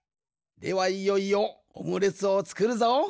ではいよいよオムレツをつくるぞ。